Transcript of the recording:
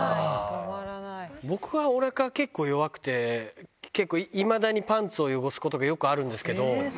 僕はおなか、結構弱くて、いまだにパンツを汚すことがよくあるんですけど。